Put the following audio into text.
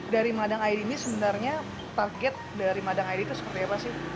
dari madang id ini sebenarnya target dari madang id itu seperti apa sih